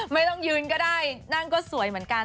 ไม่ต้องยืนก็ได้นั่งก็สวยเหมือนกัน